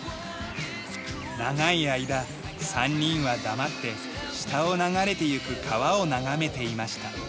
「ながいあいだ３人はだまって下を流れてゆく川をながめていました」